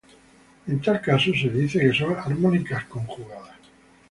En tal caso se dice que son armónicas conjugadas.